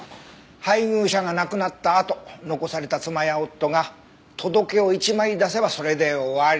配偶者が亡くなったあと残された妻や夫が届を１枚出せばそれで終わり。